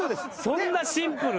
そんなシンプルな。